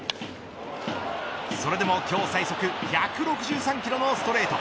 それでも今日最速１６３キロのストレート。